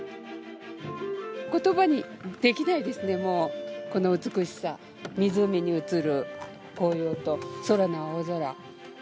ことばにできないですね、もう、この美しさ、湖に映る紅葉と空の青空。